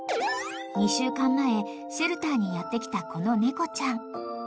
［２週間前シェルターにやって来たこの猫ちゃん］